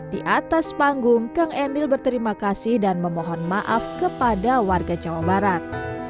di atas panggung kang emil berterima kasih dan memohon maaf kepada warga jawa barat